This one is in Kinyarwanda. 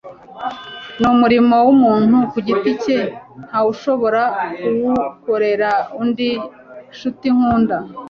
ni umurimo w'umuntu ku giti cye; nta wushobora kuwukorera undi. ncuti nkunda